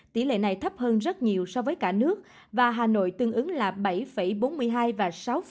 tỷ lệ này thấp hơn rất nhiều so với cả nước và hà nội tương ứng là bảy bốn mươi hai và sáu